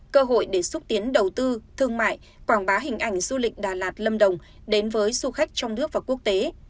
cơ hội để xúc tiến đầu tư thương mại quảng bá hình ảnh du lịch đà lạt lâm đồng đến với du khách trong nước và quốc tế